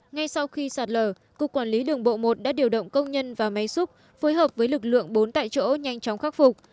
ngay sau khi sạt lở cục quản lý đường bộ một đã điều động công nhân và máy xúc phối hợp với lực lượng bốn tại chỗ nhanh chóng khắc phục